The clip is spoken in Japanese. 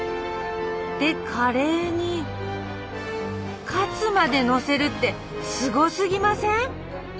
でカレーにカツまでのせるってすごすぎません？